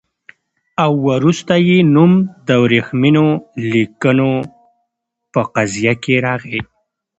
او وروسته یې نوم د ورېښمینو لیکونو په قضیه کې راغی.